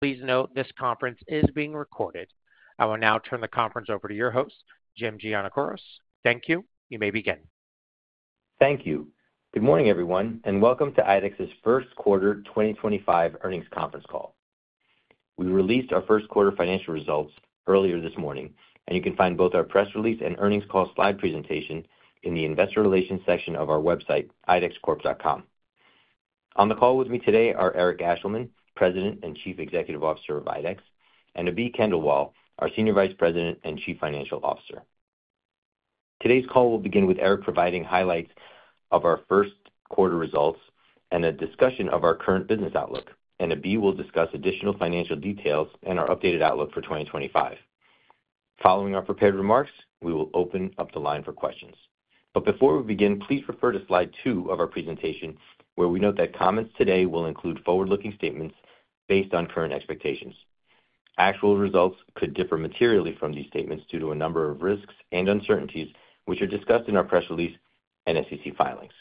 Please note this conference is being recorded. I will now turn the conference over to your host, Jim Giannakouros. Thank you. You may begin. Thank you. Good morning, everyone, and welcome to IDEX's first quarter 2025 earnings conference call. We released our first quarter financial results earlier this morning, and you can find both our press release and earnings call slide presentation in the Investor Relations section of our website, idexcorp.com. On the call with me today are Eric Ashleman, President and Chief Executive Officer of IDEX, and Abhi Khandelwal, our Senior Vice President and Chief Financial Officer. Today's call will begin with Eric providing highlights of our first quarter results and a discussion of our current business outlook, and Abhi will discuss additional financial details and our updated outlook for 2025. Following our prepared remarks, we will open up the line for questions. Before we begin, please refer to slide two of our presentation where we note that comments today will include forward-looking statements based on current expectations. Actual results could differ materially from these statements due to a number of risks and uncertainties, which are discussed in our press release and SEC filings.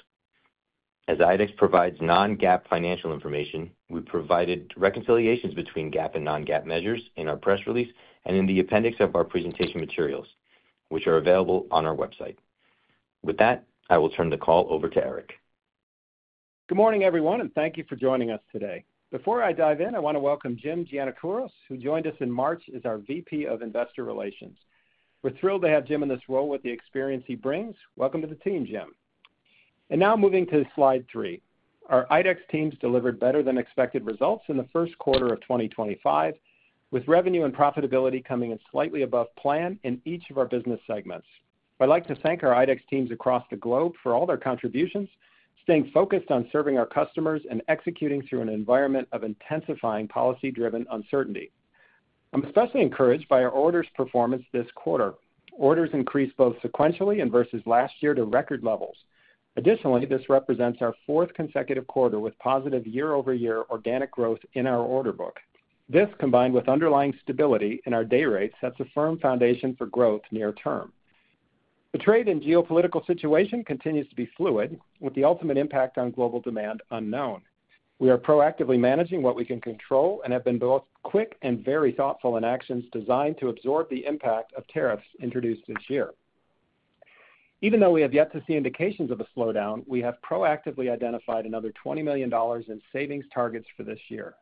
As IDEX provides non-GAAP financial information, we provided reconciliations between GAAP and non-GAAP measures in our press release and in the Appendix of our presentation materials, which are available on our website. With that, I will turn the call over to Eric. Good morning, everyone, and thank you for joining us today. Before I dive in, I want to welcome Jim Giannakouros, who joined us in March as our VP of Investor Relations. We're thrilled to have Jim in this role with the experience he brings. Welcome to the team, Jim. Now moving to slide three, our IDEX teams delivered better-than-expected results in the First Quarter of 2025, with revenue and profitability coming in slightly above plan in each of our business segments. I'd like to thank our IDEX teams across the globe for all their contributions, staying focused on serving our customers and executing through an environment of intensifying policy-driven uncertainty. I'm especially encouraged by our orders' performance this quarter. Orders increased both sequentially and versus last year to record levels. Additionally, this represents our fourth consecutive quarter with positive year-over-year organic growth in our order book. This, combined with underlying stability in our day rates, sets a firm foundation for growth near-term. The trade and geopolitical situation continues to be fluid, with the ultimate impact on global demand unknown. We are proactively managing what we can control and have been both quick and very thoughtful in actions designed to absorb the impact of tariffs introduced this year. Even though we have yet to see indications of a slowdown, we have proactively identified another $20 million in savings targets for this year.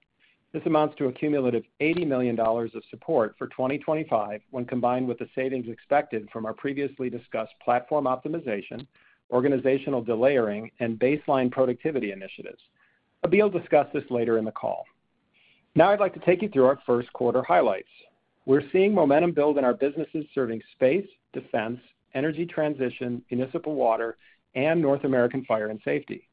This amounts to a cumulative $80 million of support for 2025 when combined with the savings expected from our previously discussed Platform Optimization, Organizational Delayering, and Baseline Productivity initiatives. Abhi will discuss this later in the call. Now I'd like to take you through our first quarter highlights. We're seeing momentum build in our businesses serving Space, Defense, Energy Transition, Municipal Water, and North American Fire & Safety.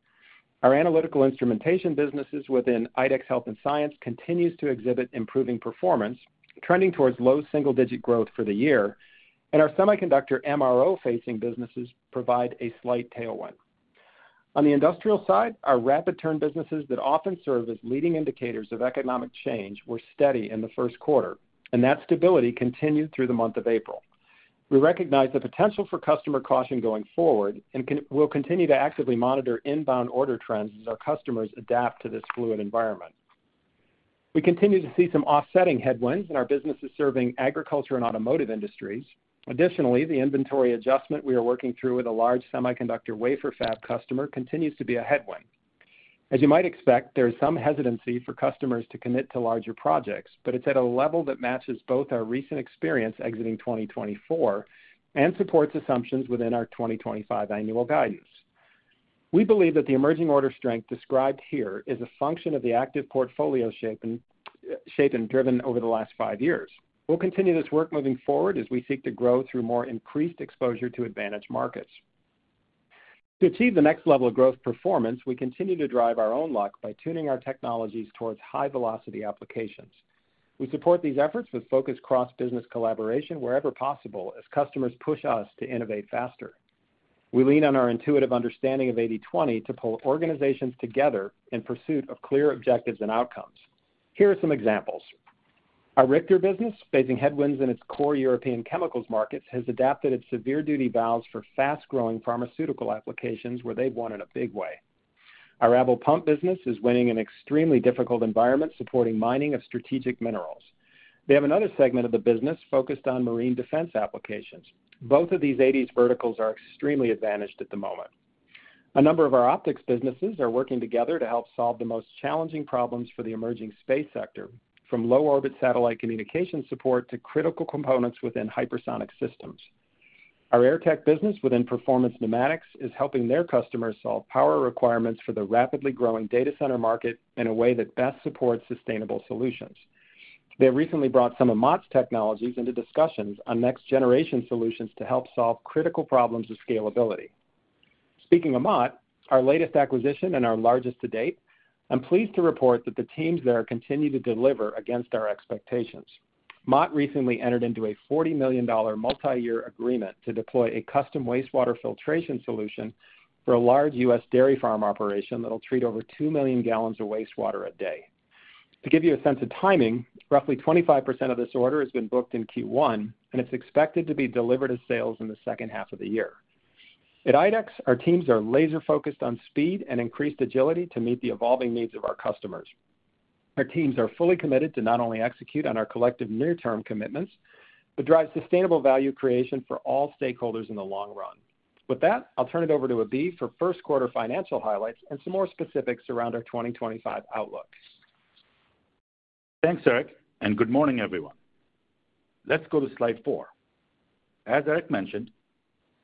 Our analytical instrumentation businesses within IDEX Health and Science continue to exhibit improving performance, trending towards low single-digit growth for the year, and our semiconductor MRO-facing businesses provide a slight tailwind. On the industrial side, our rapid-turn businesses that often serve as leading indicators of economic change were steady in the first quarter, and that stability continued through the month of April. We recognize the potential for customer caution going forward and will continue to actively monitor inbound order trends as our customers adapt to this fluid environment. We continue to see some offsetting headwinds in our businesses serving Agriculture and Automotive industries. Additionally, the inventory adjustment we are working through with a large semiconductor wafer fab customer continues to be a headwind. As you might expect, there is some hesitancy for customers to commit to larger projects, but it's at a level that matches both our recent experience exiting 2024 and supports assumptions within our 2025 Annual Guidance. We believe that the emerging order strength described here is a function of the active portfolio shape and driven over the last five years. We'll continue this work moving forward as we seek to grow through more increased exposure to advantage markets. To achieve the next level of growth performance, we continue to drive our own luck by tuning our technologies towards high-velocity applications. We support these efforts with focused cross-business collaboration wherever possible as customers push us to innovate faster. We lean on our intuitive understanding of 80/20 to pull organizations together in pursuit of clear objectives and outcomes. Here are some examples. Our Richter business, facing headwinds in its core European chemicals markets, has adapted its severe-duty valves for fast-growing pharmaceutical applications where they've won in a big way. Our Abel Pump business is winning in extremely difficult environments supporting mining of strategic minerals. They have another segment of the business focused on marine defense applications. Both of these 80/20 verticals are extremely advantaged at the moment. A number of our optics businesses are working together to help solve the most challenging problems for the emerging space sector, from low-orbit satellite communication support to critical components within hypersonic systems. Our Airtech business within Performance Pneumatics is helping their customers solve power requirements for the rapidly growing Data Center market in a way that best supports sustainable solutions. They have recently brought some of Mott's technologies into discussions on next-generation solutions to help solve critical problems of scalability. Speaking of Mott, our latest acquisition and our largest to date, I'm pleased to report that the teams there continue to deliver against our expectations. Mott recently entered into a $40 million multi-year agreement to deploy a custom wastewater filtration solution for a large U.S. dairy farm operation that'll treat over 2 million gallons of wastewater a day. To give you a sense of timing, roughly 25% of this order has been booked in Q1, and it's expected to be delivered to sales in the second half of the year. At IDEX, our teams are laser-focused on speed and increased agility to meet the evolving needs of our customers. Our teams are fully committed to not only execute on our collective near-term commitments but drive sustainable Value Creation for all Stakeholders in the long run. With that, I'll turn it over to Abhi for first quarter financial highlights and some more specifics around our 2025 outlook. Thanks, Eric, and good morning, everyone. Let's go to Slide 4. As Eric mentioned,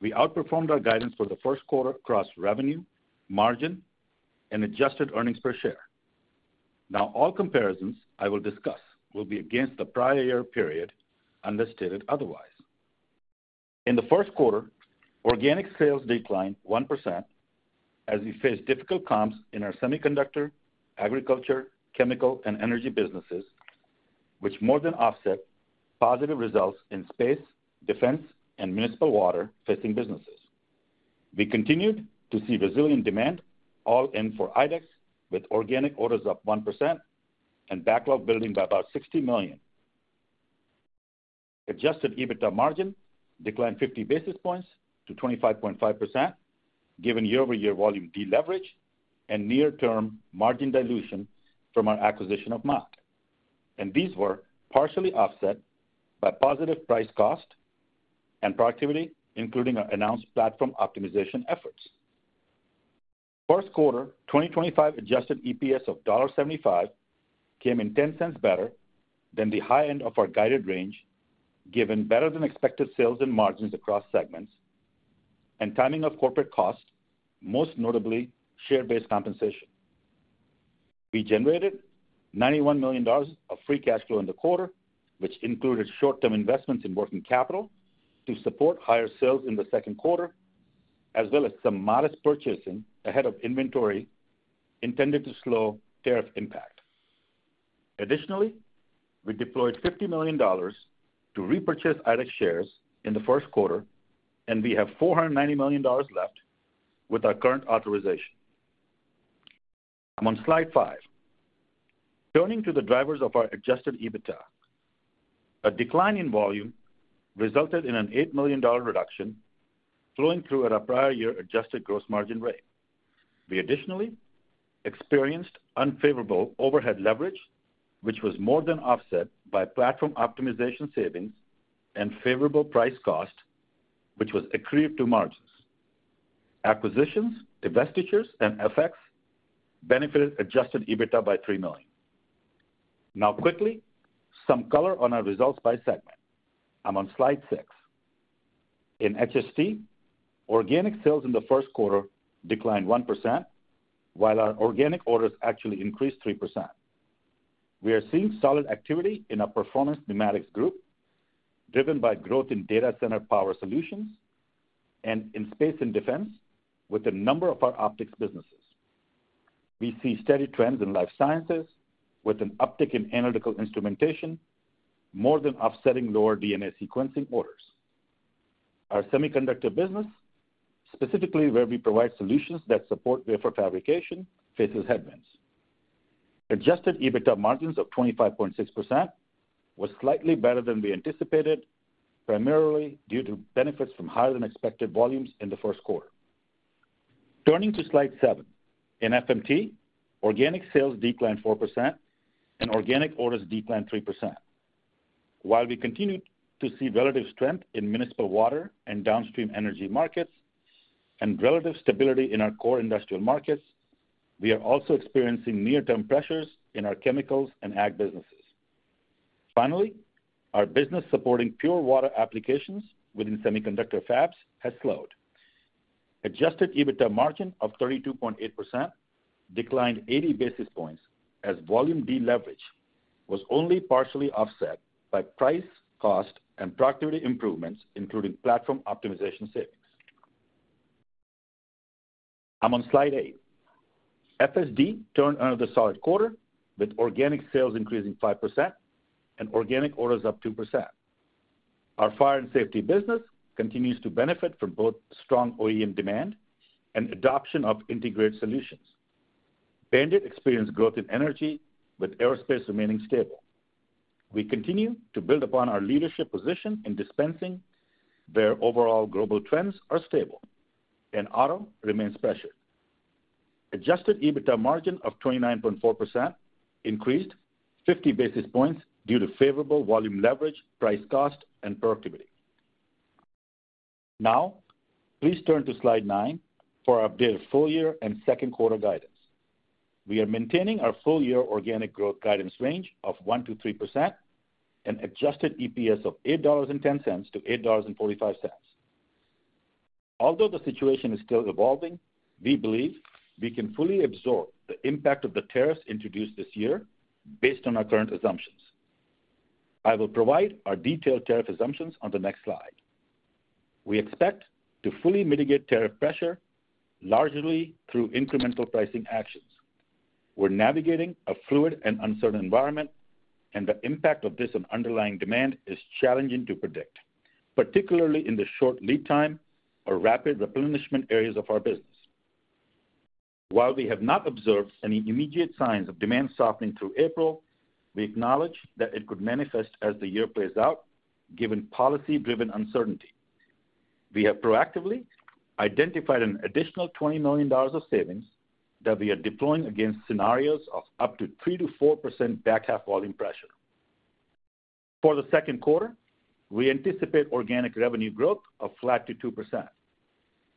we outperformed our guidance for the first quarter across revenue, margin, and adjusted earnings per share. Now, all comparisons I will discuss will be against the prior year period unless otherwise listed. In the first quarter, organic sales declined 1% as we faced difficult comps in our semiconductor, agriculture, chemical, and energy businesses, which more than offset positive results in space, defense, and municipal water-facing businesses. We continued to see resilient demand all in for IDEX, with organic orders up 1% and backlog building by about $60 million. Adjusted EBITDA margin declined 50 basis points to 25.5% given year-over-year volume deleverage and near-term margin dilution from our acquisition of Mott. These were partially offset by positive price cost and productivity, including our announced platform optimization efforts. First quarter 2025 adjusted EPS of $1.75 came in 10 cents better than the high end of our guided range, given better-than-expected sales and margins across segments and timing of corporate cost, most notably share-based compensation. We generated $91 million of free cash flow in the quarter, which included short-term investments in working capital to support higher sales in the second quarter, as well as some modest purchasing ahead of inventory intended to slow tariff impact. Additionally, we deployed $50 million to repurchase IDEX shares in the first quarter, and we have $490 million left with our current authorization. I'm on slide five. Turning to the drivers of our adjusted EBITDA, a decline in volume resulted in an $8 million reduction flowing through at our prior year adjusted gross margin rate. We additionally experienced unfavorable overhead leverage, which was more than offset by platform optimization savings and favorable price cost, which was accrued to margins. Acquisitions, divestitures, and FX benefited adjusted EBITDA by $3 million. Now, quickly, some color on our results by segment. I'm on slide six. In HST, organic sales in the first quarter declined 1%, while our organic orders actually increased 3%. We are seeing solid activity in our performance pneumatics group, driven by growth in data center power solutions and in space and defense with a number of our optics businesses. We see steady trends in life sciences with an uptick in analytical instrumentation, more than offsetting lower DNA sequencing orders. Our semiconductor business, specifically where we provide solutions that support wafer fabrication, faces headwinds. Adjusted EBITDA margins of 25.6% were slightly better than we anticipated, primarily due to benefits from higher-than-expected volumes in the first quarter. Turning to slide seven, in FMT, organic sales declined 4% and organic orders declined 3%. While we continue to see relative strength in municipal water and downstream energy markets and relative stability in our core industrial markets, we are also experiencing near-term pressures in our chemicals and ag businesses. Finally, our business supporting pure water applications within semiconductor fabs has slowed. Adjusted EBITDA margin of 32.8% declined 80 basis points as volume deleverage was only partially offset by price, cost, and productivity improvements, including platform optimization savings. I'm on slide eight. FSD turned another solid quarter with organic sales increasing 5% and organic orders up 2%. Our fire and safety business continues to benefit from both strong OEM demand and adoption of integrated solutions. Band-It experienced growth in energy, with aerospace remaining stable. We continue to build upon our leadership position in dispensing. Their overall global trends are stable, and auto remains pressured. Adjusted EBITDA margin of 29.4% increased 50 basis points due to favorable volume leverage, price cost, and productivity. Now, please turn to slide nine for our updated full year and second quarter guidance. We are maintaining our full year organic growth guidance range of 1-3% and adjusted EPS of $8.10-$8.45. Although the situation is still evolving, we believe we can fully absorb the impact of the tariffs introduced this year based on our current assumptions. I will provide our detailed tariff assumptions on the next slide. We expect to fully mitigate tariff pressure largely through incremental pricing actions. We're navigating a fluid and uncertain environment, and the impact of this on underlying demand is challenging to predict, particularly in the short lead time or rapid replenishment areas of our business. While we have not observed any immediate signs of demand softening through April, we acknowledge that it could manifest as the year plays out, given policy-driven uncertainty. We have proactively identified an additional $20 million of savings that we are deploying against scenarios of up to 3-4% back half volume pressure. For the second quarter, we anticipate organic revenue growth of flat to 2%.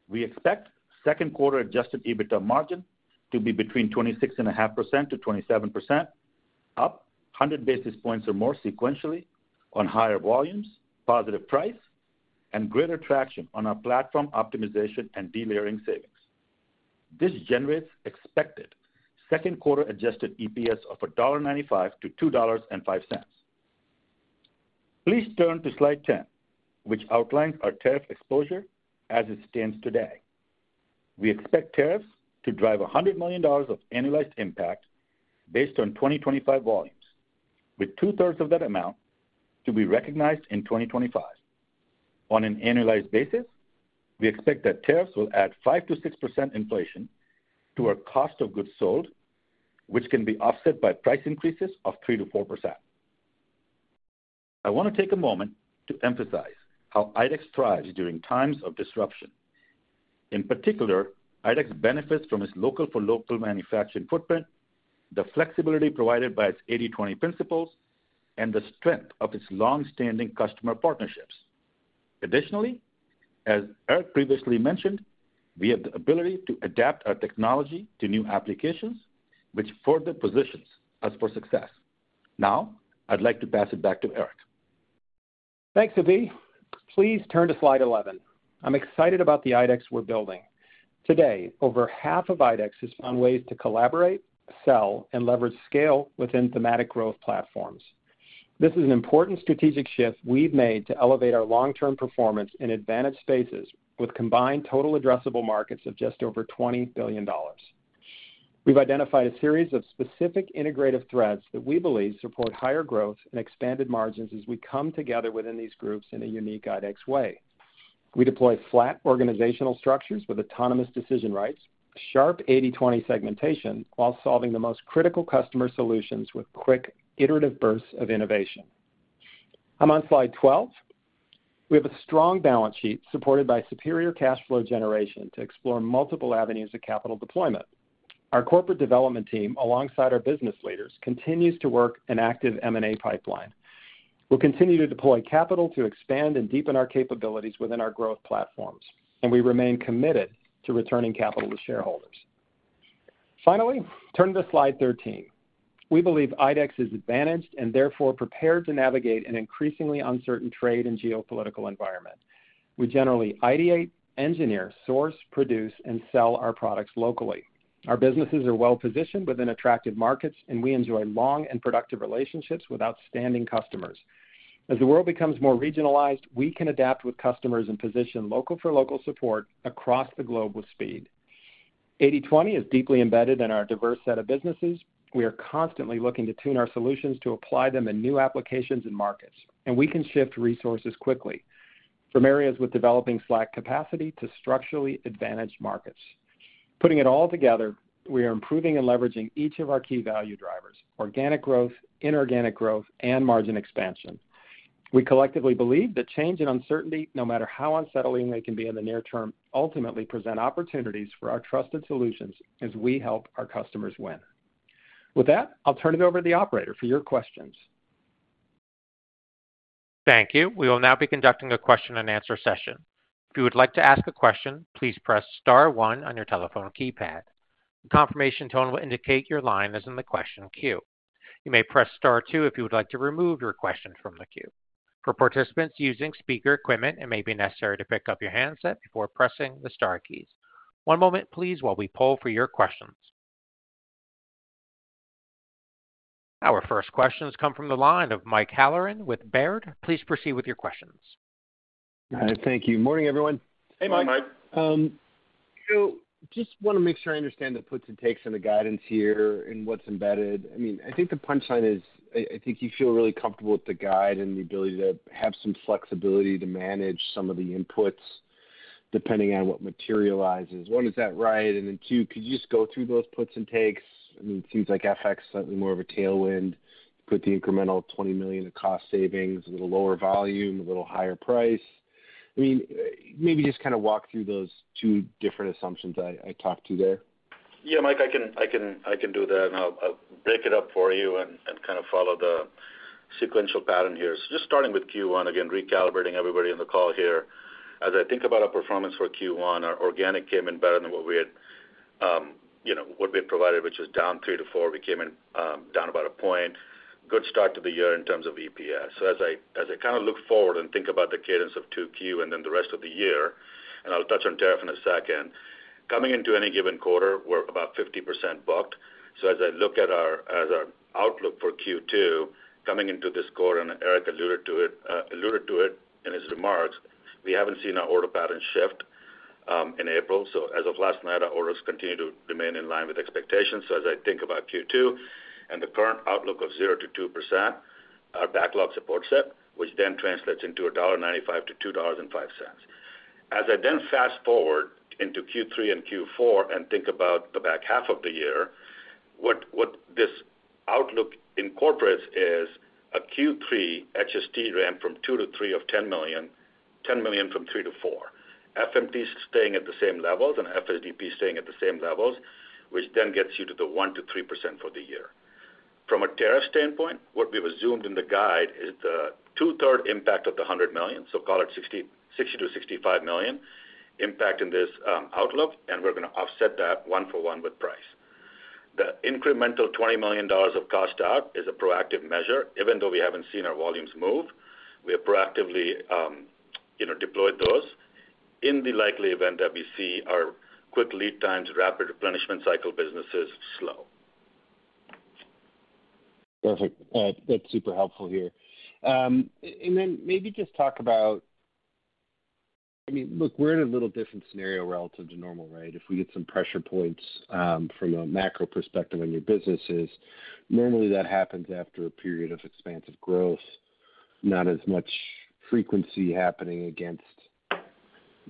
We expect second quarter adjusted EBITDA margin to be between 26.5%-27%, up 100 basis points or more sequentially on higher volumes, positive price, and greater traction on our platform optimization and delayering savings. This generates expected second quarter adjusted EPS of $1.95-$2.05. Please turn to slide 10, which outlines our tariff exposure as it stands today. We expect tariffs to drive $100 million of annualized impact based on 2025 volumes, with two-thirds of that amount to be recognized in 2025. On an annualized basis, we expect that tariffs will add 5-6% inflation to our cost of goods sold, which can be offset by price increases of 3-4%. I want to take a moment to emphasize how IDEX thrives during times of disruption. In particular, IDEX benefits from its local-for-local manufacturing footprint, the flexibility provided by its 80/20 principles, and the strength of its long-standing customer partnerships. Additionally, as Eric previously mentioned, we have the ability to adapt our technology to new applications, which further positions us for success. Now, I'd like to pass it back to Eric. Thanks, Abhi. Please turn to slide 11. I'm excited about the IDEX we're building. Today, over half of IDEX has found ways to collaborate, sell, and leverage scale within thematic growth platforms. This is an important strategic shift we've made to elevate our long-term performance in advantage spaces with combined total addressable markets of just over $20 billion. We've identified a series of specific integrative threads that we believe support higher growth and expanded margins as we come together within these groups in a unique IDEX way. We deploy flat organizational structures with autonomous decision rights, sharp 80/20 segmentation, while solving the most critical customer solutions with quick, iterative bursts of innovation. I'm on slide 12. We have a strong balance sheet supported by superior cash flow generation to explore multiple avenues of capital deployment. Our corporate development team, alongside our business leaders, continues to work an active M&A pipeline. We'll continue to deploy capital to expand and deepen our capabilities within our growth platforms, and we remain committed to returning capital to shareholders. Finally, turn to slide 13. We believe IDEX is advantaged and therefore prepared to navigate an increasingly uncertain trade and geopolitical environment. We generally ideate, engineer, source, produce, and sell our products locally. Our businesses are well-positioned within attractive markets, and we enjoy long and productive relationships with outstanding customers. As the world becomes more regionalized, we can adapt with customers and position local-for-local support across the globe with speed. 80/20 is deeply embedded in our diverse set of businesses. We are constantly looking to tune our solutions to apply them in new applications and markets, and we can shift resources quickly from areas with developing Slack capacity to structurally advantaged markets. Putting it all together, we are improving and leveraging each of our key value drivers: organic growth, inorganic growth, and margin expansion. We collectively believe that change and uncertainty, no matter how unsettling they can be in the near term, ultimately present opportunities for our trusted solutions as we help our customers win. With that, I'll turn it over to the operator for your questions. Thank you. We will now be conducting a question-and-answer session. If you would like to ask a question, please press star one on your telephone keypad. The confirmation tone will indicate your line is in the question queue. You may press star two if you would like to remove your question from the queue. For participants using speaker equipment, it may be necessary to pick up your handset before pressing the star keys. One moment, please, while we poll for your questions. Our first questions come from the line of Mike Halloran with Baird. Please proceed with your questions. Hi, thank you. Morning, everyone. Hey, Mike. Hey, Mike. I just want to make sure I understand the puts and takes and the guidance here and what's embedded. I mean, I think the punchline is I think you feel really comfortable with the guide and the ability to have some flexibility to manage some of the inputs depending on what materializes. One, is that right? And then two, could you just go through those puts and takes? I mean, it seems like FX is slightly more of a tailwind. You put the incremental $20 million of cost savings, a little lower volume, a little higher price. I mean, maybe just kind of walk through those two different assumptions I talked to there. Yeah, Mike, I can do that. I'll break it up for you and kind of follow the sequential pattern here. Just starting with Q1, again, recalibrating everybody on the call here. As I think about our performance for Q1, our organic came in better than what we had provided, which was down three to four. We came in down about a point. Good start to the year in terms of EPS. As I kind of look forward and think about the cadence of Q2 and then the rest of the year, and I'll touch on tariff in a second, coming into any given quarter, we're about 50% booked. As I look at our outlook for Q2, coming into this quarter, and Eric alluded to it in his remarks, we haven't seen our order pattern shift in April. As of last night, our orders continue to remain in line with expectations. As I think about Q2 and the current outlook of 0-2%, our backlog supports that, which then translates into $1.95-$2.05. As I then fast forward into Q3 and Q4 and think about the back half of the year, what this outlook incorporates is a Q3 HST ramp from 2 to 3 of $10 million, $10 million from 3 to 4, FMT staying at the same levels and FSDP staying at the same levels, which then gets you to the 1-3% for the year. From a tariff standpoint, what we resumed in the guide is the two-thirds impact of the $100 million, so call it $60-$65 million impact in this outlook, and we're going to offset that one-for-one with price. The incremental $20 million of cost out is a proactive measure. Even though we haven't seen our volumes move, we have proactively deployed those in the likely event that we see our quick lead times, rapid replenishment cycle businesses slow. Perfect. That's super helpful here. Maybe just talk about, I mean, look, we're in a little different scenario relative to normal, right? If we get some pressure points from a macro perspective on your businesses, normally that happens after a period of expansive growth, not as much frequency happening against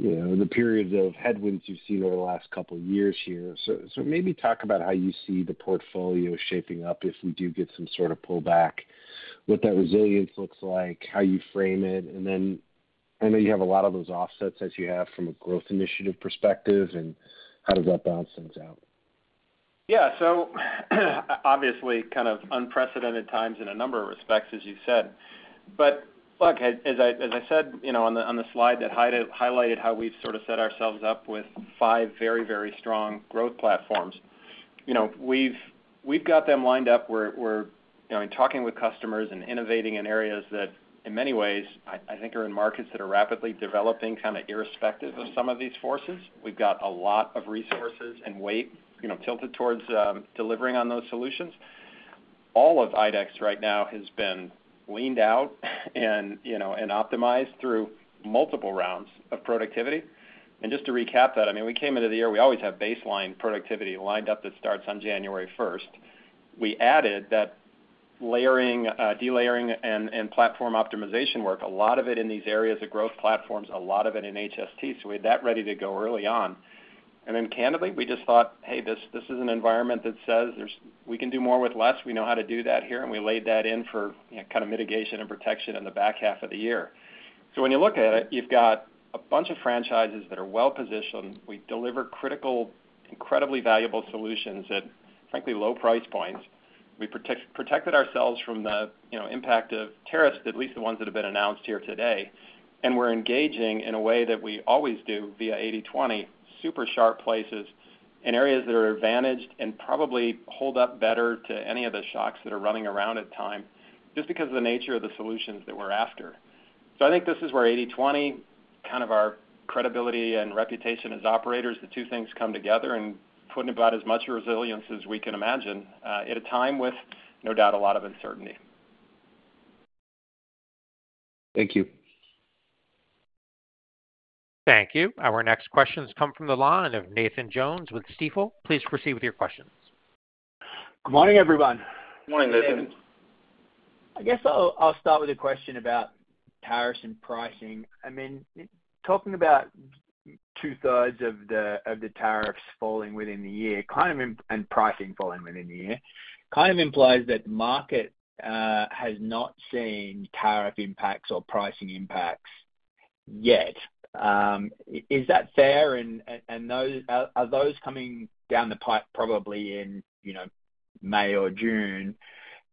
the periods of headwinds you've seen over the last couple of years here. Maybe talk about how you see the portfolio shaping up if we do get some sort of pullback, what that resilience looks like, how you frame it. I know you have a lot of those offsets that you have from a growth initiative perspective, and how does that balance things out? Yeah. Obviously kind of unprecedented times in a number of respects, as you said. Look, as I said on the slide that highlighted how we've sort of set ourselves up with five very, very strong growth platforms, we've got them lined up. We're talking with customers and innovating in areas that, in many ways, I think are in markets that are rapidly developing kind of irrespective of some of these forces. We've got a lot of resources and weight tilted towards delivering on those solutions. All of IDEX right now has been leaned out and optimized through multiple rounds of productivity. Just to recap that, I mean, we came into the year, we always have baseline productivity lined up that starts on January 1. We added that layering, delayering, and platform optimization work, a lot of it in these areas of growth platforms, a lot of it in HST. We had that ready to go early on. Candidly, we just thought, "Hey, this is an environment that says we can do more with less. We know how to do that here." We laid that in for kind of mitigation and protection in the back half of the year. When you look at it, you have a bunch of franchises that are well-positioned. We deliver critical, incredibly valuable solutions at, frankly, low price points. We protected ourselves from the impact of tariffs, at least the ones that have been announced here today. We're engaging in a way that we always do via 80/20, super sharp places in areas that are advantaged and probably hold up better to any of the shocks that are running around at times just because of the nature of the solutions that we're after. I think this is where 80/20, kind of our credibility and reputation as operators, the two things come together and put in about as much resilience as we can imagine at a time with, no doubt, a lot of uncertainty. Thank you. Thank you. Our next questions come from the line of Nathan Jones with Stifel. Please proceed with your questions. Good morning, everyone. Good morning, Nathan. I guess I'll start with a question about tariffs and pricing. I mean, talking about two-thirds of the tariffs falling within the year and pricing falling within the year kind of implies that the market has not seen tariff impacts or pricing impacts yet. Is that fair? Are those coming down the pipe probably in May or June,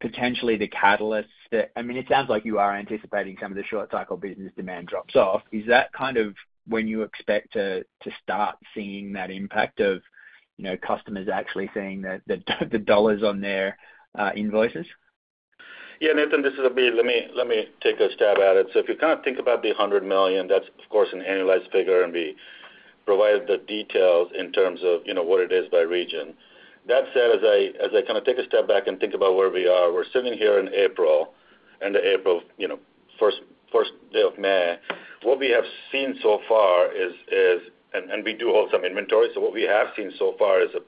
potentially the catalysts that, I mean, it sounds like you are anticipating some of the short-cycle business demand drops off. Is that kind of when you expect to start seeing that impact of customers actually seeing the dollars on their invoices? Yeah, Nathan, this is Abhi. Let me take a stab at it. If you kind of think about the $100 million, that's, of course, an annualized figure, and we provide the details in terms of what it is by region. That said, as I kind of take a step back and think about where we are, we're sitting here in April, end of April, first day of May. What we have seen so far is, and we do hold some inventory, what we have seen so far is a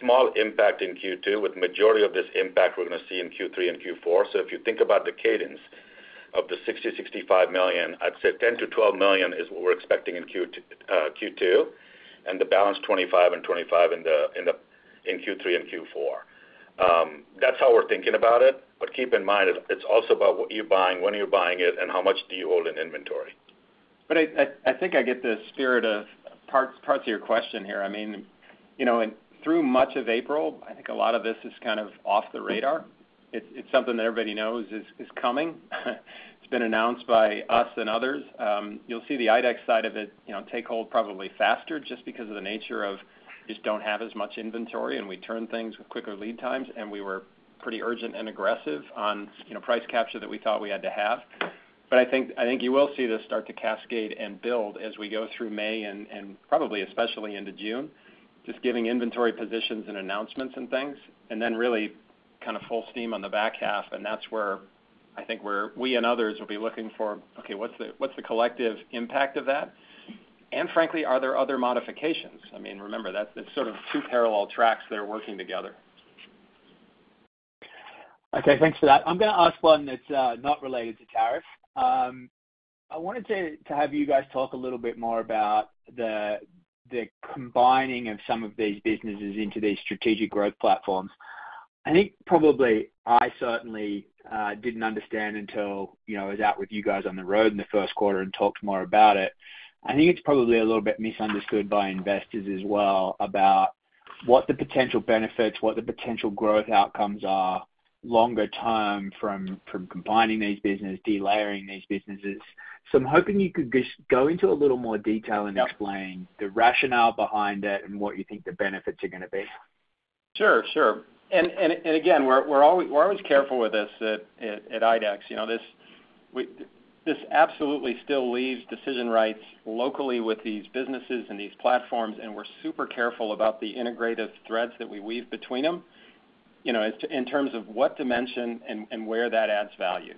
small impact in Q2, with the majority of this impact we're going to see in Q3 and Q4. If you think about the cadence of the $60-$65 million, I'd say $10-$12 million is what we're expecting in Q2, and the balance $25 and $25 in Q3 and Q4. That's how we're thinking about it. Keep in mind, it's also about what you're buying, when you're buying it, and how much do you hold in inventory. I think I get the spirit of parts of your question here. I mean, through much of April, I think a lot of this is kind of off the radar. It's something that everybody knows is coming. It's been announced by us and others. You'll see the IDEX side of it take hold probably faster just because of the nature of just don't have as much inventory, and we turn things with quicker lead times, and we were pretty urgent and aggressive on price capture that we thought we had to have. I think you will see this start to cascade and build as we go through May and probably especially into June, just giving inventory positions and announcements and things, and then really kind of full steam on the back half. That's where I think we and others will be looking for, okay, what's the collective impact of that? I mean, remember, that's sort of two parallel tracks that are working together. Okay. Thanks for that. I'm going to ask one that's not related to tariff. I wanted to have you guys talk a little bit more about the combining of some of these businesses into these strategic growth platforms. I think probably I certainly didn't understand until I was out with you guys on the road in the first quarter and talked more about it. I think it's probably a little bit misunderstood by investors as well about what the potential benefits, what the potential growth outcomes are longer term from combining these businesses, delayering these businesses. I am hoping you could just go into a little more detail and explain the rationale behind it and what you think the benefits are going to be. Sure, sure. We're always careful with this at IDEX. This absolutely still leaves decision rights locally with these businesses and these platforms, and we're super careful about the integrative threads that we weave between them in terms of what dimension and where that adds value.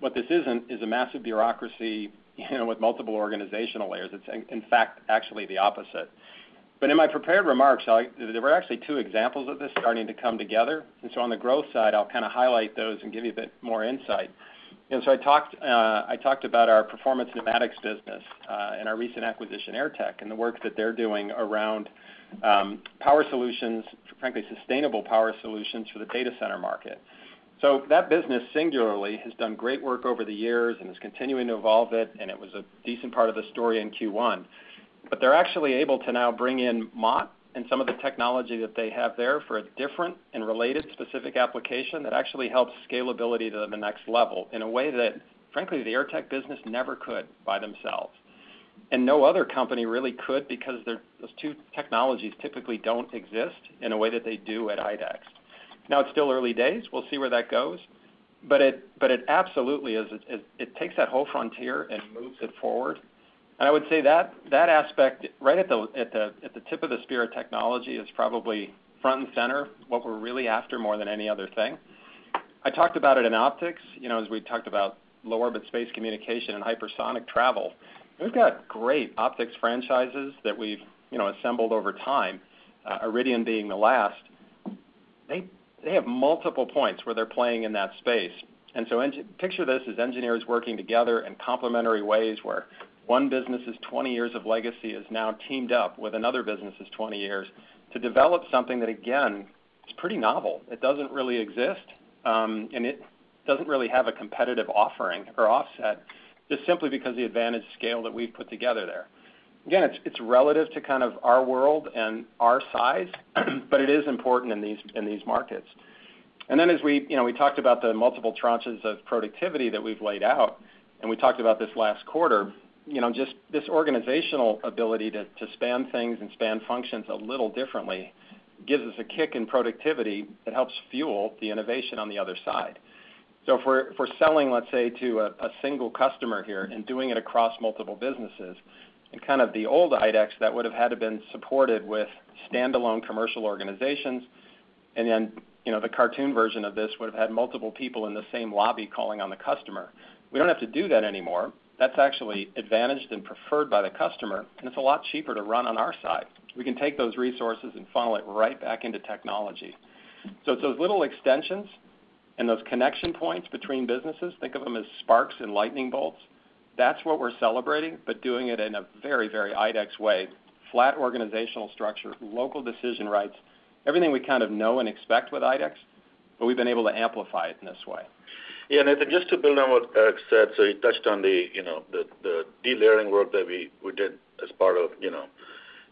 What this isn't is a massive bureaucracy with multiple organizational layers. It's, in fact, actually the opposite. In my prepared remarks, there were actually two examples of this starting to come together. On the growth side, I'll kind of highlight those and give you a bit more insight. I talked about our performance pneumatics business and our recent acquisition, Airtech, and the work that they're doing around power solutions, frankly, sustainable power solutions for the data center market. That business singularly has done great work over the years and is continuing to evolve it, and it was a decent part of the story in Q1. They are actually able to now bring in Mott and some of the technology that they have there for a different and related specific application that actually helps scalability to the next level in a way that, frankly, the Airtech business never could by themselves. No other company really could because those two technologies typically do not exist in a way that they do at IDEX. It is still early days. We will see where that goes. It absolutely is, it takes that whole frontier and moves it forward. I would say that aspect right at the tip of the sphere of technology is probably front and center, what we are really after more than any other thing. I talked about it in optics, as we talked about low-orbit space communication and hypersonic travel. We've got great optics franchises that we've assembled over time, Iridian being the last. They have multiple points where they're playing in that space. Picture this as engineers working together in complementary ways where one business's 20 years of legacy is now teamed up with another business's 20 years to develop something that, again, is pretty novel. It doesn't really exist, and it doesn't really have a competitive offering or offset just simply because of the advantage scale that we've put together there. Again, it's relative to kind of our world and our size, but it is important in these markets. As we talked about the multiple tranches of productivity that we've laid out, and we talked about this last quarter, just this organizational ability to span things and span functions a little differently gives us a kick in productivity that helps fuel the innovation on the other side. If we're selling, let's say, to a single customer here and doing it across multiple businesses, and kind of the old IDEX that would have had to have been supported with standalone commercial organizations, and then the cartoon version of this would have had multiple people in the same lobby calling on the customer, we don't have to do that anymore. That's actually advantaged and preferred by the customer, and it's a lot cheaper to run on our side. We can take those resources and funnel it right back into technology. It is those little extensions and those connection points between businesses, think of them as sparks and lightning bolts, that's what we're celebrating, but doing it in a very, very IDEX way, flat organizational structure, local decision rights, everything we kind of know and expect with IDEX, but we've been able to amplify it in this way. Yeah. Nathan, just to build on what Eric said, he touched on the delayering work that we did as part of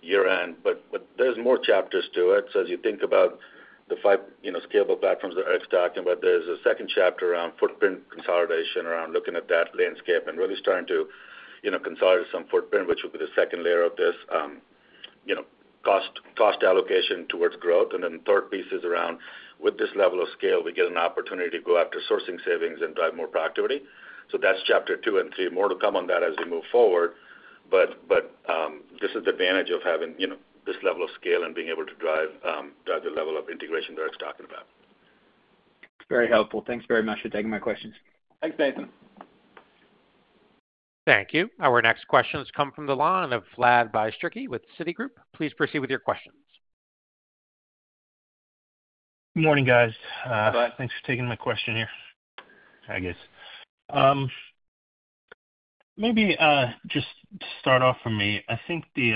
year-end, but there's more chapters to it. As you think about the five scalable platforms that Eric's talking about, there's a second chapter around footprint consolidation, around looking at that landscape and really starting to consolidate some footprint, which will be the second layer of this, cost allocation towards growth. The third piece is around, with this level of scale, we get an opportunity to go after sourcing savings and drive more productivity. That's Chapter Two and Three. More to come on that as we move forward, but this is the advantage of having this level of scale and being able to drive the level of integration that Eric's talking about. Very helpful. Thanks very much for taking my questions. Thanks, Nathan. Thank you. Our next question has come from the line of Vlad Bystricky with Citigroup. Please proceed with your questions. Good morning, guys. Thanks for taking my question here, I guess. Maybe just to start off for me, I think the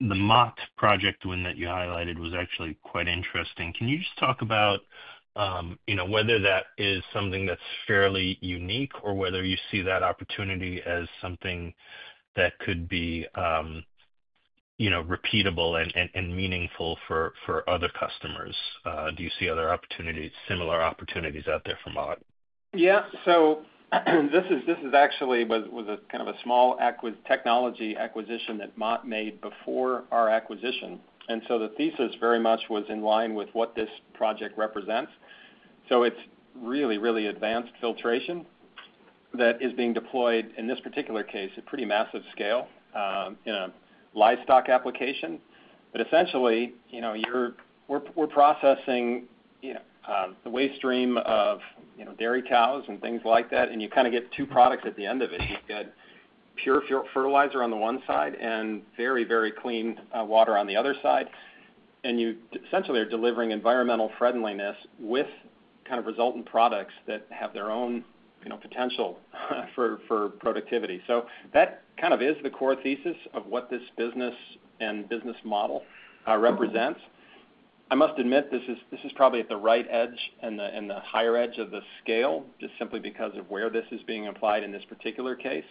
Mott project one that you highlighted was actually quite interesting. Can you just talk about whether that is something that's fairly unique or whether you see that opportunity as something that could be repeatable and meaningful for other customers? Do you see other similar opportunities out there for Mott? Yeah. This is actually kind of a small technology acquisition that Mott made before our acquisition. The thesis very much was in line with what this project represents. It is really, really advanced filtration that is being deployed in this particular case at pretty massive scale in a livestock application. Essentially, we are processing the waste stream of dairy cows and things like that, and you kind of get two products at the end of it. You have got pure fertilizer on one side and very, very clean water on the other side. You essentially are delivering environmental friendliness with resultant products that have their own potential for productivity. That is the core thesis of what this business and business model represents. I must admit, this is probably at the right edge and the higher edge of the scale just simply because of where this is being applied in this particular case.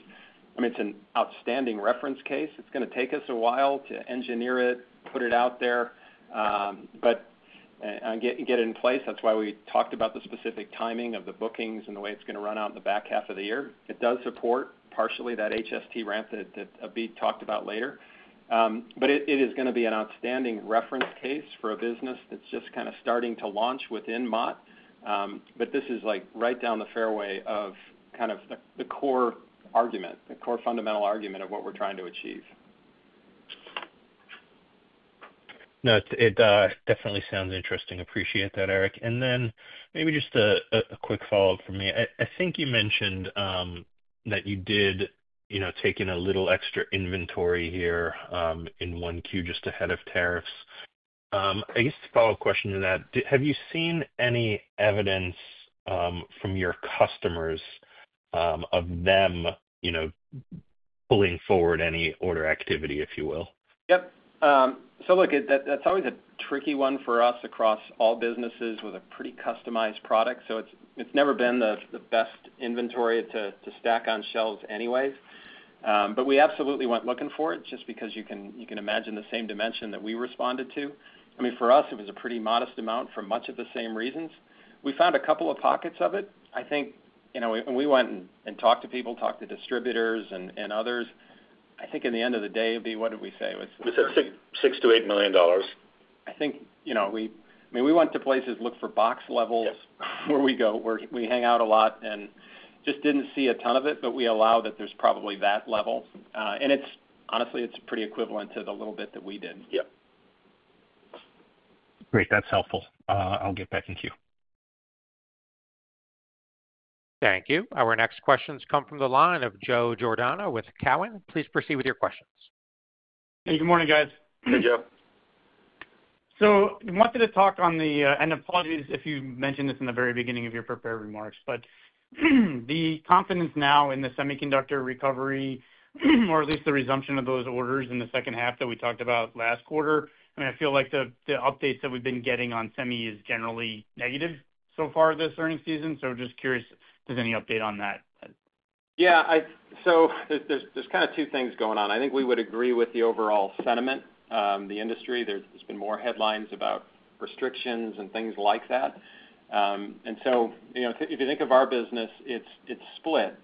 I mean, it's an outstanding reference case. It's going to take us a while to engineer it, put it out there, but get it in place. That's why we talked about the specific timing of the bookings and the way it's going to run out in the back half of the year. It does support partially that HST ramp that Abhi talked about later. It is going to be an outstanding reference case for a business that's just kind of starting to launch within Mott. This is right down the fairway of kind of the core argument, the core fundamental argument of what we're trying to achieve. No, it definitely sounds interesting. Appreciate that, Eric. Maybe just a quick follow-up for me. I think you mentioned that you did take in a little extra inventory here in Q1 just ahead of tariffs. I guess the follow-up question to that, have you seen any evidence from your customers of them pulling forward any order activity, if you will? Yep. Look, that's always a tricky one for us across all businesses with a pretty customized product. It's never been the best inventory to stack on shelves anyways. We absolutely went looking for it just because you can imagine the same dimension that we responded to. I mean, for us, it was a pretty modest amount for much of the same reasons. We found a couple of pockets of it. I think when we went and talked to people, talked to distributors and others, I think in the end of the day, Abhi, what did we say? We said $6 million-$8 million. I think, I mean, we went to places, looked for box levels where we go, where we hang out a lot, and just didn't see a ton of it, but we allow that there's probably that level. Honestly, it's pretty equivalent to the little bit that we did. Yep. Great. That's helpful. I'll get back in queue. Thank you. Our next questions come from the line of Joe Giordano with Cowen. Please proceed with your questions. Hey, good morning, guys. Hey, Joe. I wanted to talk on the—and apologies if you mentioned this in the very beginning of your prepared remarks—but the confidence now in the semiconductor recovery, or at least the resumption of those orders in the second half that we talked about last quarter. I mean, I feel like the updates that we've been getting on semi is generally negative so far this earning season. Just curious, if there's any update on that? Yeah. There are kind of two things going on. I think we would agree with the overall sentiment, the industry. There have been more headlines about restrictions and things like that. If you think of our business, it's split.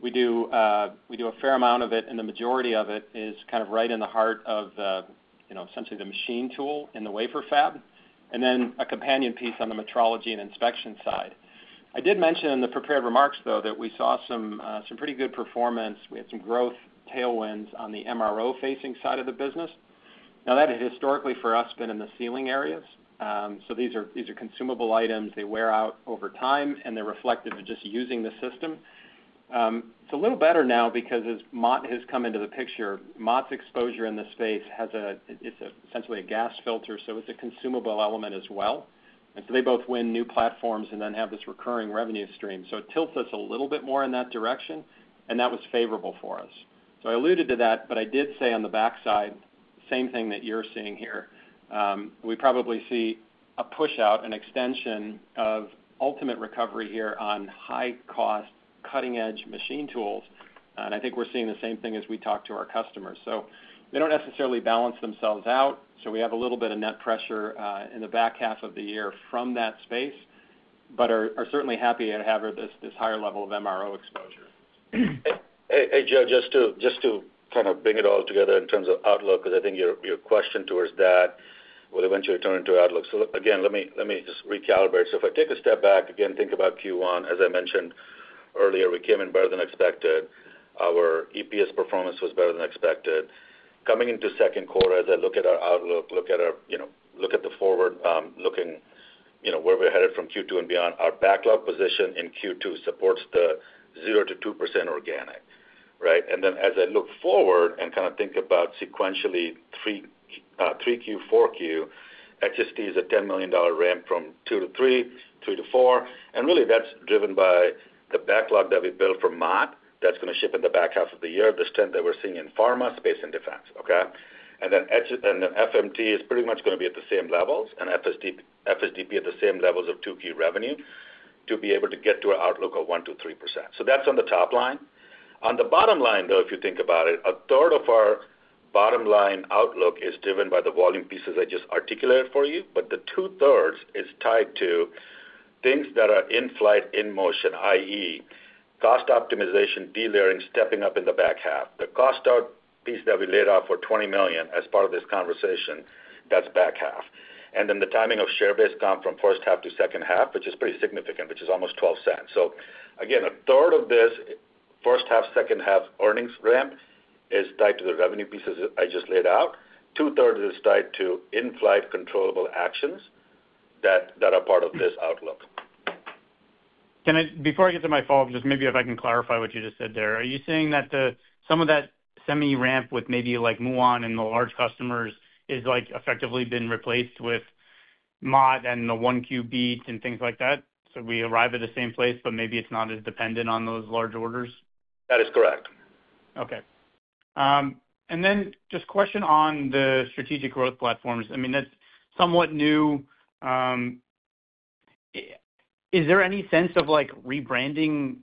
We do a fair amount of it, and the majority of it is kind of right in the heart of essentially the machine tool and the wafer fab, and then a companion piece on the metrology and inspection side. I did mention in the prepared remarks, though, that we saw some pretty good performance. We had some growth tailwinds on the MRO-facing side of the business. That has historically for us been in the sealing areas. These are consumable items. They wear out over time, and they're reflective of just using the system. It's a little better now because as Mott has come into the picture, Mott's exposure in this space has a—it's essentially a gas filter, so it's a consumable element as well. They both win new platforms and then have this recurring revenue stream. It tilts us a little bit more in that direction, and that was favorable for us. I alluded to that, but I did say on the backside, same thing that you're seeing here. We probably see a push out, an extension of ultimate recovery here on high-cost, cutting-edge machine tools. I think we're seeing the same thing as we talk to our customers. They do not necessarily balance themselves out. We have a little bit of net pressure in the back half of the year from that space, but are certainly happy to have this higher level of MRO exposure. Hey, Joe, just to kind of bring it all together in terms of outlook, because I think your question towards that will eventually turn into outlook. Let me just recalibrate. If I take a step back, again, think about Q1. As I mentioned earlier, we came in better than expected. Our EPS performance was better than expected. Coming into second quarter, as I look at our outlook, look at the forward-looking where we're headed from Q2 and beyond, our backlog position in Q2 supports the 0-2% organic, right? As I look forward and kind of think about sequentially Q3, Q4, HST is a $10 million ramp from Q2 to Q3, Q3 to Q4. That is really driven by the backlog that we built for Mott that is going to ship in the back half of the year, the strength that we are seeing in pharma, space, and defense, okay? FMT is pretty much going to be at the same levels and FSDP at the same levels of Q2 revenue to be able to get to our outlook of 1%-3%. That is on the top line. On the bottom line, though, if you think about it, a third of our bottom line outlook is driven by the volume pieces I just articulated for you, but the two-thirds is tied to things that are in flight, in motion, i.e., cost optimization, delayering, stepping up in the back half. The cost piece that we laid out for $20 million as part of this conversation, that is back half. The timing of share-based comp from first half to second half is pretty significant, which is almost $0.12. Again, a third of this first half-second half earnings ramp is tied to the revenue pieces I just laid out. Two-thirds is tied to in-flight controllable actions that are part of this outlook. Before I get to my follow-up, just maybe if I can clarify what you just said there. Are you saying that some of that semi ramp with maybe like MUAN and the large customers is effectively being replaced with Mott and the Q1 beats and things like that? We arrive at the same place, but maybe it's not as dependent on those large orders? That is correct. Okay. And then just a question on the strategic growth platforms. I mean, that's somewhat new. Is there any sense of rebranding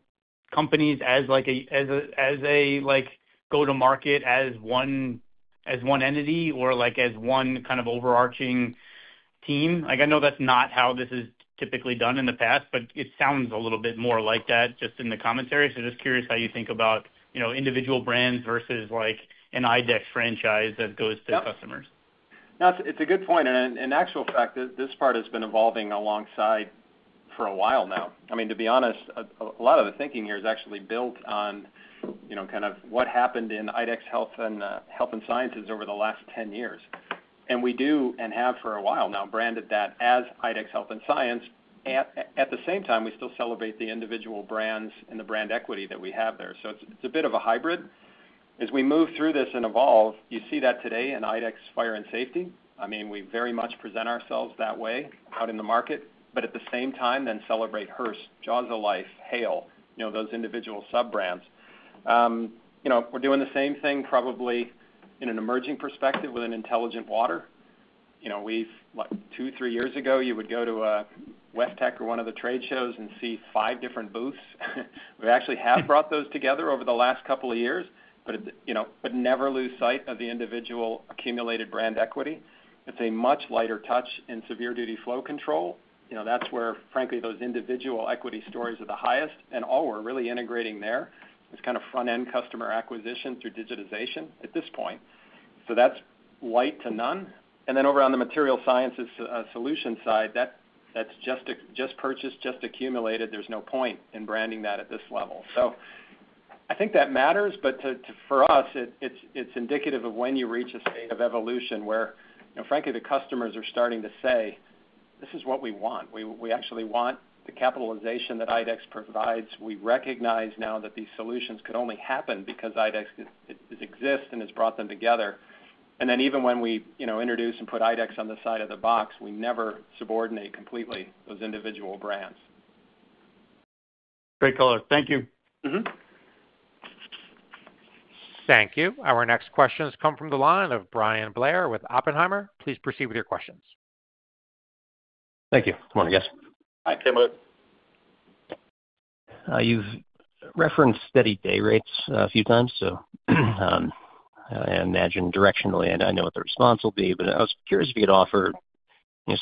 companies as a go-to-market as one entity or as one kind of overarching team? I know that's not how this is typically done in the past, but it sounds a little bit more like that just in the commentary. So just curious how you think about individual brands versus an IDEX franchise that goes to customers. No, it's a good point. In actual fact, this part has been evolving alongside for a while now. I mean, to be honest, a lot of the thinking here is actually built on kind of what happened in IDEX Health and Science over the last 10 years. We do and have for a while now branded that as IDEX Health and Science. At the same time, we still celebrate the individual brands and the brand equity that we have there. It is a bit of a hybrid. As we move through this and evolve, you see that today in IDEX Fire and Safety. I mean, we very much present ourselves that way out in the market, but at the same time, then celebrate Hurst, Jaws of Life, Hale, those individual sub-brands. We're doing the same thing probably in an emerging perspective with an intelligent water. Two, three years ago, you would go to a WEFTEC or one of the trade shows and see five different booths. We actually have brought those together over the last couple of years, but never lose sight of the individual accumulated brand equity. It's a much lighter touch in severe duty flow control. That is where, frankly, those individual equity stories are the highest. All we are really integrating there is kind of front-end customer acquisition through digitization at this point. That is light to none. Over on the material sciences solution side, that is just purchased, just accumulated. There is no point in branding that at this level. I think that matters, but for us, it is indicative of when you reach a state of evolution where, frankly, the customers are starting to say, "This is what we want. We actually want the capitalization that IDEX provides. We recognize now that these solutions could only happen because IDEX exists and has brought them together. Even when we introduce and put IDEX on the side of the box, we never subordinate completely those individual brands. Great color. Thank you. Thank you. Our next questions come from the line of Bryan Blair with Oppenheimer. Please proceed with your questions. Thank you. Good morning, guys. Hi. You've referenced steady day rates a few times, so I imagine directionally, and I know what the response will be, but I was curious if you could offer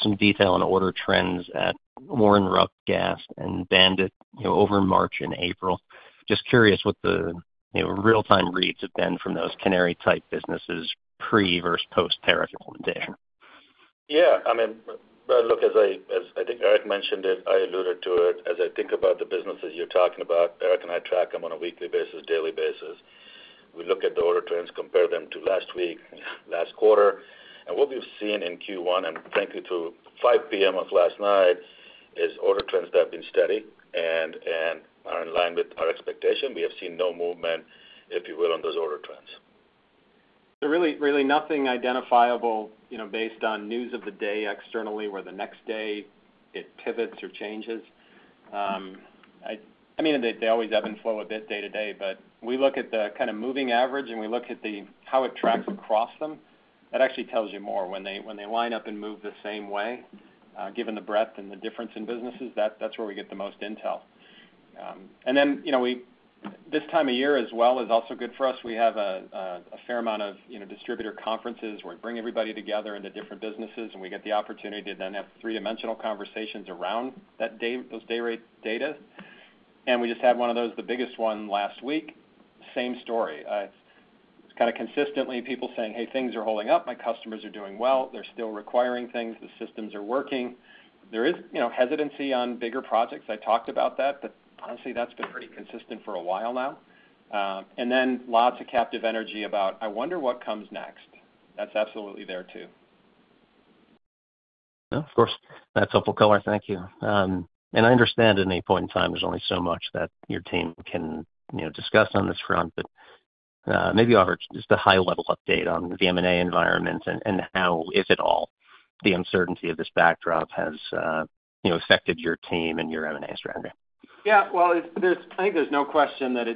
some detail on order trends at Warren Rupp, Gast, and Band-It over March and April. Just curious what the real-time reads have been from those canary-type businesses pre versus post tariff implementation. Yeah. I mean, look, as I think Eric mentioned it, I alluded to it. As I think about the businesses you're talking about, Eric and I track them on a weekly basis, daily basis. We look at the order trends, compare them to last week, last quarter. What we've seen in Q1, and thank you to 5:00 P.M. of last night, is order trends that have been steady and are in line with our expectation. We have seen no movement, if you will, on those order trends. Really, really nothing identifiable based on news of the day externally where the next day it pivots or changes. I mean, they always ebb and flow a bit day-to-day, but we look at the kind of moving average, and we look at how it tracks across them. That actually tells you more. When they line up and move the same way, given the breadth and the difference in businesses, that's where we get the most intel. This time of year as well is also good for us. We have a fair amount of distributor conferences where we bring everybody together into different businesses, and we get the opportunity to then have three-dimensional conversations around those day rate data. We just had one of those, the biggest one last week. Same story. It's kind of consistently people saying, "Hey, things are holding up. My customers are doing well. They're still requiring things. The systems are working. There is hesitancy on bigger projects. I talked about that, but honestly, that's been pretty consistent for a while now. Lots of captive energy about, "I wonder what comes next." That's absolutely there too. Yeah, of course. That's helpful color. Thank you. I understand at any point in time there's only so much that your team can discuss on this front, but maybe just a high-level update on the M&A environment and how, if at all, the uncertainty of this backdrop has affected your team and your M&A strategy. Yeah. I think there's no question that in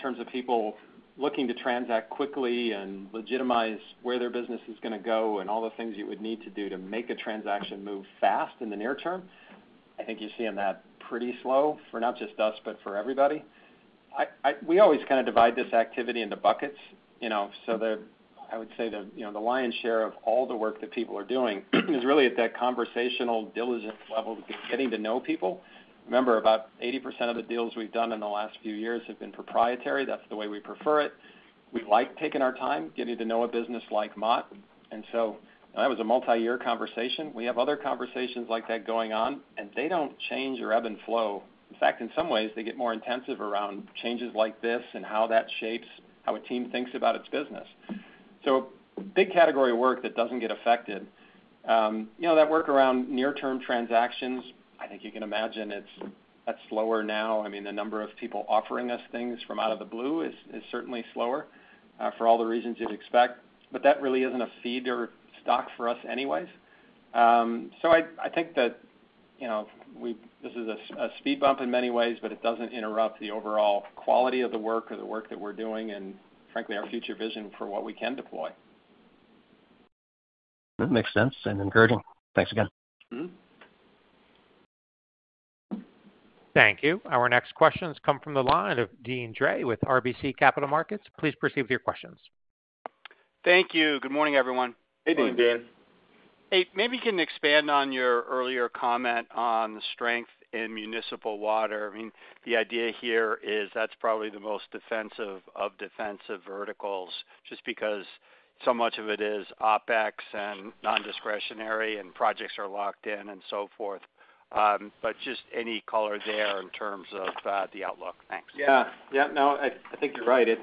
terms of people looking to transact quickly and legitimize where their business is going to go and all the things you would need to do to make a transaction move fast in the near term, I think you're seeing that pretty slow for not just us, but for everybody. We always kind of divide this activity into buckets. I would say the lion's share of all the work that people are doing is really at that conversational diligence level of getting to know people. Remember, about 80% of the deals we've done in the last few years have been proprietary. That's the way we prefer it. We like taking our time, getting to know a business like Mott. That was a multi-year conversation. We have other conversations like that going on, and they do not change or ebb and flow. In fact, in some ways, they get more intensive around changes like this and how that shapes how a team thinks about its business. A big category of work that does not get affected. That work around near-term transactions, I think you can imagine it is slower now. I mean, the number of people offering us things from out of the blue is certainly slower for all the reasons you would expect, but that really is not a feed or stock for us anyways. I think that this is a speed bump in many ways, but it does not interrupt the overall quality of the work or the work that we are doing and, frankly, our future vision for what we can deploy. That makes sense and encouraging. Thanks again. Thank you. Our next questions come from the line of Deane Dray with RBC Capital Markets. Please proceed with your questions. Thank you. Good morning, everyone. Hey, Deane. Hey, maybe you can expand on your earlier comment on the strength in municipal water. I mean, the idea here is that's probably the most defensive of defensive verticals just because so much of it is OpEx and non-discretionary and projects are locked in and so forth. Just any color there in terms of the outlook. Thanks. Yeah. Yeah. No, I think you're right. It's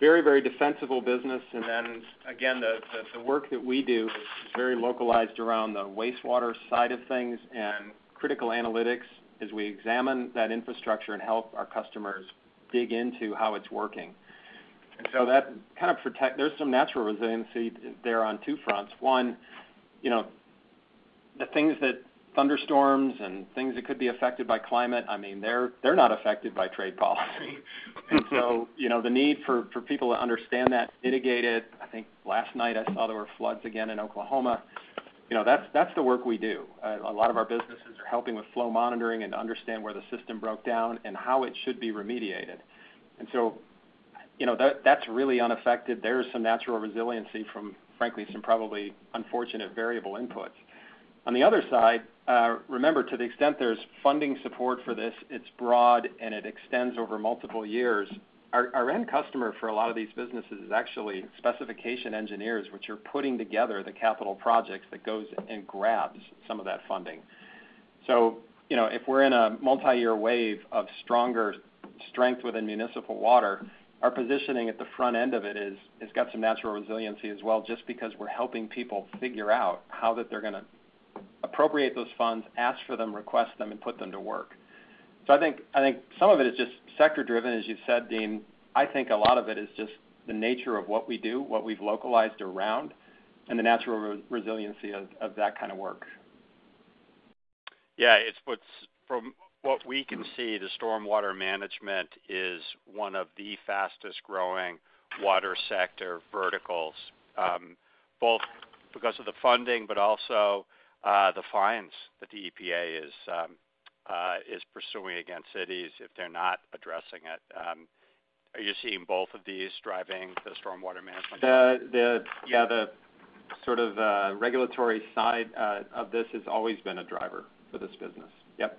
very, very defensible business. Then, again, the work that we do is very localized around the wastewater side of things and critical analytics as we examine that infrastructure and help our customers dig into how it's working. That kind of protects—there's some natural resiliency there on two fronts. One, the things that thunderstorms and things that could be affected by climate, I mean, they're not affected by trade policy. The need for people to understand that, mitigate it. I think last night I saw there were floods again in Oklahoma. That's the work we do. A lot of our businesses are helping with flow monitoring and understand where the system broke down and how it should be remediated. That's really unaffected. There's some natural resiliency from, frankly, some probably unfortunate variable inputs. On the other side, remember, to the extent there's funding support for this, it's broad and it extends over multiple years. Our end customer for a lot of these businesses is actually specification engineers, which are putting together the capital projects that goes and grabs some of that funding. If we're in a multi-year wave of stronger strength within municipal water, our positioning at the front end of it has got some natural resiliency as well just because we're helping people figure out how that they're going to appropriate those funds, ask for them, request them, and put them to work. I think some of it is just sector-driven, as you said, Deane. I think a lot of it is just the nature of what we do, what we've localized around, and the natural resiliency of that kind of work. Yeah. From what we can see, the stormwater management is one of the fastest-growing water sector verticals, both because of the funding, but also the fines that the EPA is pursuing against cities if they're not addressing it. Are you seeing both of these driving the stormwater management? Yeah. The sort of regulatory side of this has always been a driver for this business. Yep.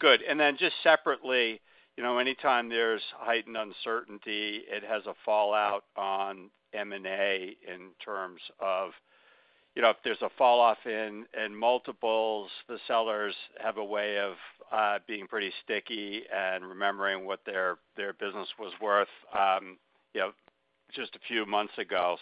Good. Just separately, anytime there's heightened uncertainty, it has a fallout on M&A in terms of if there's a falloff in multiples, the sellers have a way of being pretty sticky and remembering what their business was worth just a few months ago.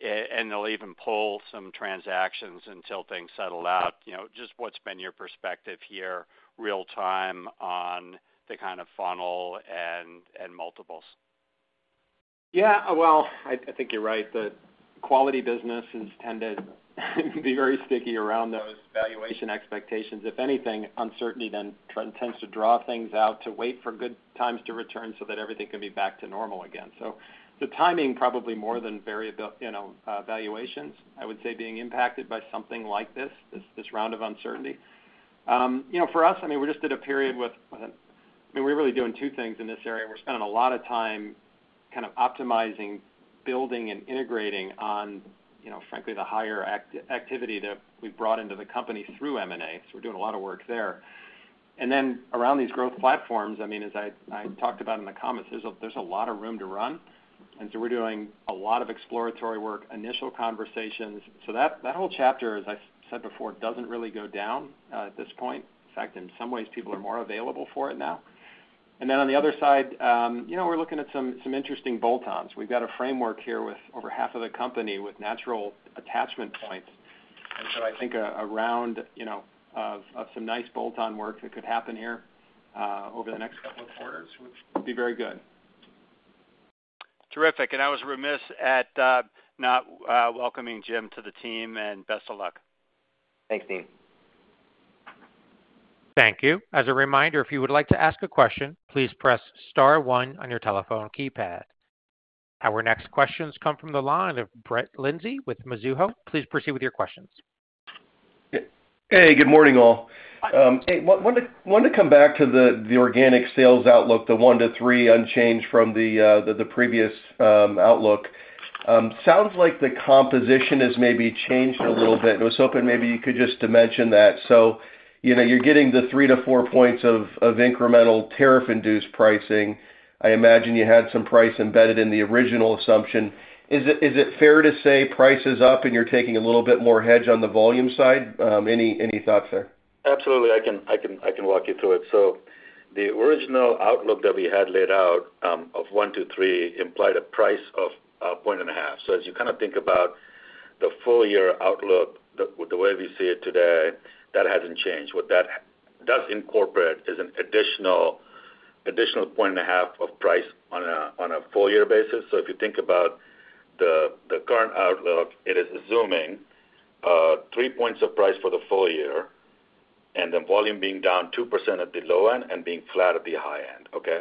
They'll even pull some transactions until things settle out. Just what's been your perspective here, real-time on the kind of funnel and multiples? Yeah. I think you're right. The quality businesses tend to be very sticky around those valuation expectations. If anything, uncertainty then tends to draw things out to wait for good times to return so that everything can be back to normal again. The timing probably more than valuations, I would say, being impacted by something like this, this round of uncertainty. For us, I mean, we're just at a period with—I mean, we're really doing two things in this area. We're spending a lot of time kind of optimizing, building, and integrating on, frankly, the higher activity that we've brought into the company through M&A. We're doing a lot of work there. Around these growth platforms, I mean, as I talked about in the comments, there's a lot of room to run. We're doing a lot of exploratory work, initial conversations. That whole chapter, as I said before, does not really go down at this point. In fact, in some ways, people are more available for it now. On the other side, we are looking at some interesting bolt-ons. We have got a framework here with over half of the company with natural attachment points. I think a round of some nice bolt-on work that could happen here over the next couple of quarters would be very good. Terrific. I was remiss at not welcoming Jim to the team, and best of luck. Thanks, Deane. Thank you. As a reminder, if you would like to ask a question, please press star one on your telephone keypad. Our next questions come from the line of Brett Linzey with Mizuho. Please proceed with your questions. Hey, good morning, all. Hey, wanted to come back to the organic sales outlook, the one to three unchanged from the previous outlook. Sounds like the composition has maybe changed a little bit. I was hoping maybe you could just mention that. You're getting the three to four points of incremental tariff-induced pricing. I imagine you had some price embedded in the original assumption. Is it fair to say price is up and you're taking a little bit more hedge on the volume side? Any thoughts there? Absolutely. I can walk you through it. The original outlook that we had laid out of one to three implied a price of a point and a half. As you kind of think about the full year outlook, the way we see it today, that hasn't changed. What that does incorporate is an additional point and a half of price on a full year basis. If you think about the current outlook, it is assuming three points of price for the full year and the volume being down 2% at the low end and being flat at the high end. Okay.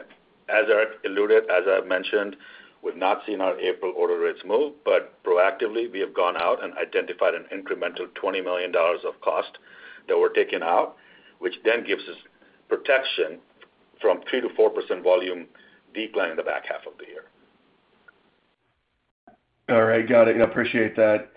As Eric alluded, as I mentioned, we've not seen our April order rates move, but proactively, we have gone out and identified an incremental $20 million of cost that we're taking out, which then gives us protection from 3-4% volume decline in the back half of the year. All right. Got it. I appreciate that.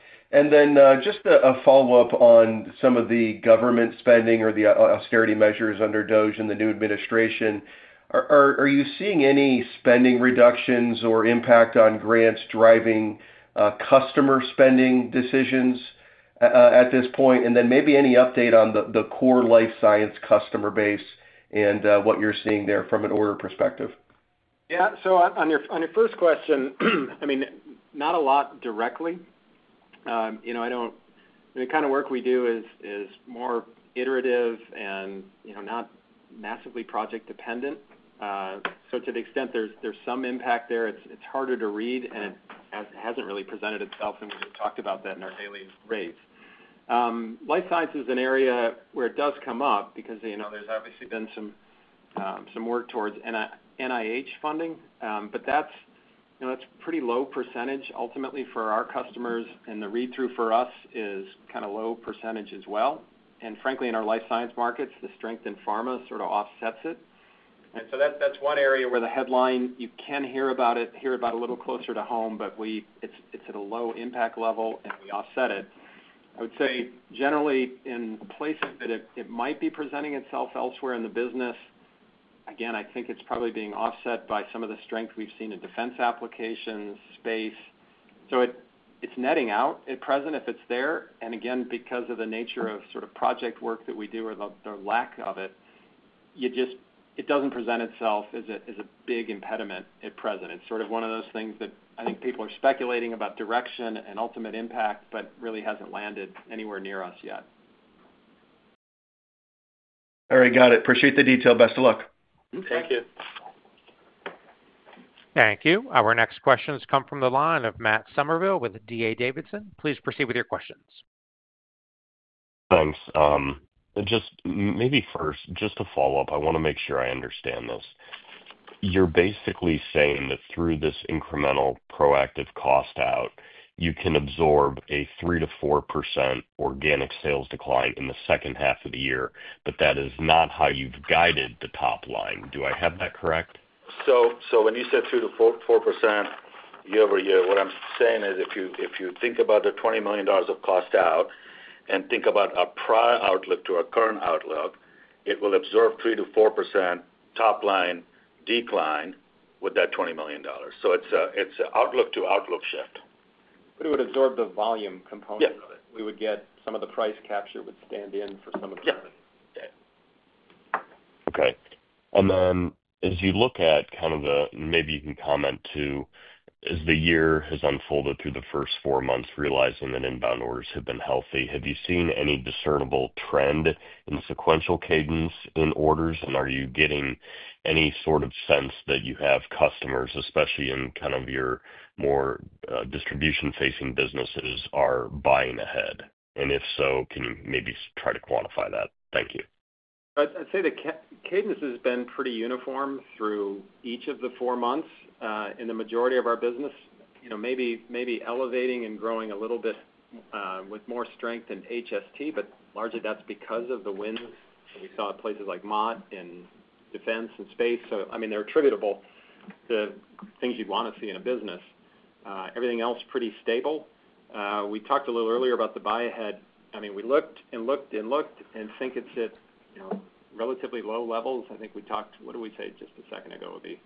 Just a follow-up on some of the government spending or the austerity measures under DOGE in the new administration. Are you seeing any spending reductions or impact on grants driving customer spending decisions at this point? Maybe any update on the core life science customer base and what you're seeing there from an order perspective? Yeah. On your first question, I mean, not a lot directly. I mean, the kind of work we do is more iterative and not massively project-dependent. To the extent there's some impact there, it's harder to read, and it hasn't really presented itself. We've talked about that in our daily rates. Life science is an area where it does come up because there's obviously been some work towards NIH funding, but that's a pretty low percentage ultimately for our customers. The read-through for us is kind of low percentage as well. Frankly, in our life science markets, the strength in pharma sort of offsets it. That's one area where the headline, you can hear about it, hear about a little closer to home, but it's at a low impact level and we offset it. I would say generally in places that it might be presenting itself elsewhere in the business, again, I think it's probably being offset by some of the strength we've seen in defense applications space. It is netting out at present if it's there. Again, because of the nature of sort of project work that we do or the lack of it, it does not present itself as a big impediment at present. It is sort of one of those things that I think people are speculating about direction and ultimate impact, but really has not landed anywhere near us yet. All right. Got it. Appreciate the detail. Best of luck. Thank you. Thank you. Our next questions come from the line of Matt Summerville with D.A. Davidson. Please proceed with your questions. Thanks. Just maybe first, just to follow up, I want to make sure I understand this. You're basically saying that through this incremental proactive cost out, you can absorb a 3-4% organic sales decline in the second half of the year, but that is not how you've guided the top line. Do I have that correct? When you said 3-4% year over year, what I'm saying is if you think about the $20 million of cost out and think about our prior outlook to our current outlook, it will absorb a 3-4% top line decline with that $20 million. It is an outlook to outlook shift. It would absorb the volume component of it. We would get some of the price capture would stand in for some of the revenue. Okay. As you look at kind of the—and maybe you can comment too—as the year has unfolded through the first four months, realizing that inbound orders have been healthy, have you seen any discernible trend in sequential cadence in orders? Are you getting any sort of sense that you have customers, especially in kind of your more distribution-facing businesses, are buying ahead? If so, can you maybe try to quantify that? Thank you. I'd say the cadence has been pretty uniform through each of the four months in the majority of our business, maybe elevating and growing a little bit with more strength in HST, but largely that's because of the wins that we saw at places like Mott and defense and space. I mean, they're attributable to things you'd want to see in a business. Everything else pretty stable. We talked a little earlier about the buy ahead. I mean, we looked and looked and looked and think it's at relatively low levels. I think we talked—what did we say just a second ago? It would be?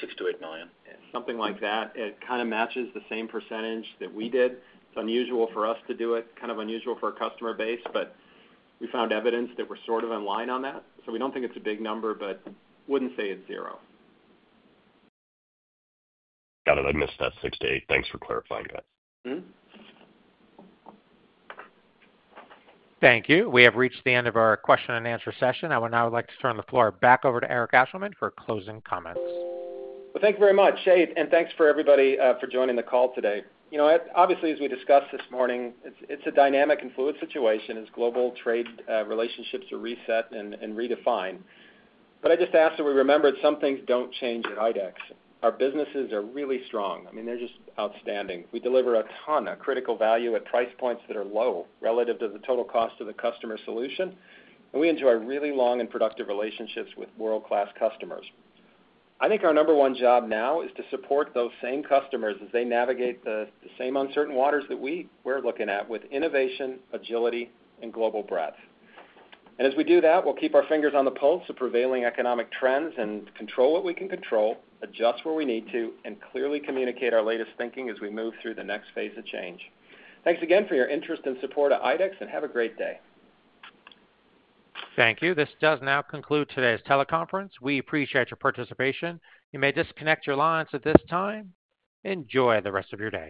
Six to eight million. Yeah. Something like that. It kind of matches the same percentage that we did. It's unusual for us to do it, kind of unusual for our customer base, but we found evidence that we're sort of in line on that. We don't think it's a big number, but wouldn't say it's zero. Got it. I missed that six to eight. Thanks for clarifying, guys. Thank you. We have reached the end of our question and answer session. I would now like to turn the floor back over to Eric Ashleman for closing comments. Thank you very much, Seth, and thanks for everybody for joining the call today. Obviously, as we discussed this morning, it's a dynamic and fluid situation as global trade relationships are reset and redefined. I just ask that we remember that some things don't change at IDEX. Our businesses are really strong. I mean, they're just outstanding. We deliver a ton of critical value at price points that are low relative to the total cost of the customer solution. We enjoy really long and productive relationships with world-class customers. I think our number one job now is to support those same customers as they navigate the same uncertain waters that we're looking at with innovation, agility, and global breadth. As we do that, we'll keep our fingers on the pulse of prevailing economic trends and control what we can control, adjust where we need to, and clearly communicate our latest thinking as we move through the next phase of change. Thanks again for your interest and support at IDEX, and have a great day. Thank you. This does now conclude today's teleconference. We appreciate your participation. You may disconnect your lines at this time. Enjoy the rest of your day.